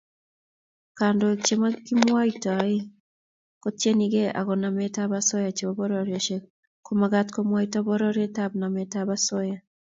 Kandoik chekimwoitoe kotinyekei ak nametab osoya chebo pororiosiek komagat komwaita borietb nametab osoya